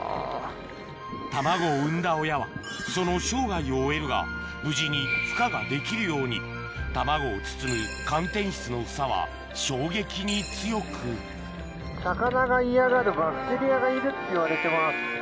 卵を産んだ親はその生涯を終えるが無事にふ化ができるように卵を包む魚が嫌がるバクテリアがいるっていわれてます。